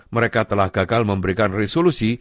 mereka telah gagal memberikan resolusi